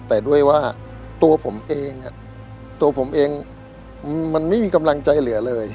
แต่ด้วยว่าตัวผมเองตัวผมเองมันไม่มีกำลังใจเหลือเลย